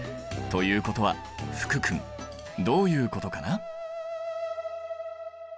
ということは福君どういうことかな？